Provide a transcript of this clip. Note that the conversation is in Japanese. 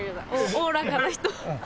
おおらかな人。